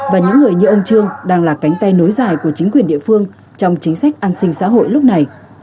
và những người như ông trương đang là cánh tay nối dài của chính quyền địa phương trong chính sách an sinh xã hội lúc này